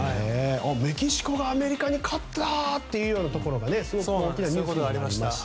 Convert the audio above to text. メキシコがアメリカに勝ったというようなところが大きなニュースになりました。